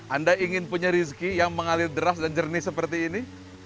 anda ingin punya rizki yang mengalir deras dan jernih seperti ini